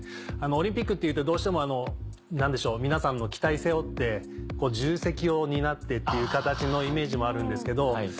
オリンピックっていうとどうしても何でしょう皆さんの期待背負って重責を担ってっていう形のイメージもあるんですけど。